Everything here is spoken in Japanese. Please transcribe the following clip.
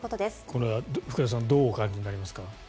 これは福田さんどうお感じになりますか。